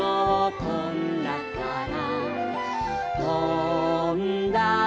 「とんだから」